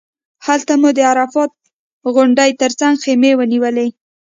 هلته مو د عرفات غونډۍ تر څنګ خیمې ونیولې.